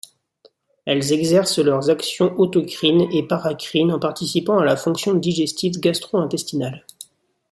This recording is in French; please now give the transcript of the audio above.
Elles exercent leurs actions autocrines et paracrines en participant à la fonction digestive gastro-intestinale.